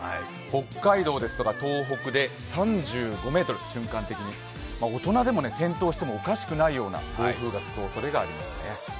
北海道ですとか東北で２５メートル瞬間的に大人でも転倒してもおかしくないような暴風が吹く恐れがありますね。